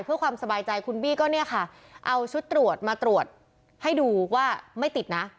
เพื่อความสบายใจคุณบี้ก็เนี่ยค่ะเอาชุดตรวจมาตรวจให้ดูว่าไม่ติดนะ